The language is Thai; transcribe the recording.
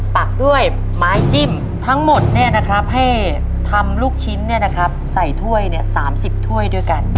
ปักด้วยไม้จิ้มทั้งหมดเนี่ยนะครับให้ทำลูกชิ้นเนี่ยนะครับใส่ถ้วยเนี่ย๓๐ถ้วยด้วยกัน